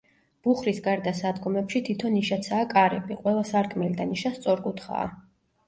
ბუხრის გარდა სადგომებში თითო ნიშაცაა კარები, ყველა სარკმელი და ნიშა სწორკუთხაა.